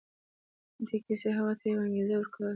دې کيسې هغه ته يوه انګېزه ورکوله.